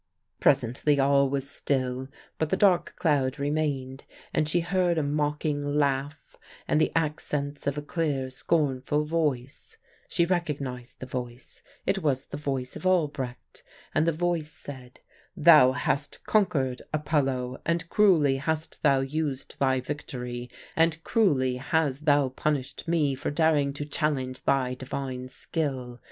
"Presently all was still, but the dark cloud remained, and she heard a mocking laugh and the accents of a clear, scornful voice (she recognised the voice, it was the voice of Albrecht), and the voice said: 'Thou hast conquered, Apollo, and cruelly hast thou used thy victory; and cruelly has thou punished me for daring to challenge thy divine skill.